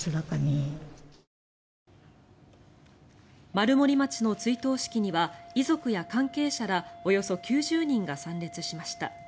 丸森町の追悼式には遺族や関係者らおよそ９０人が参列しました。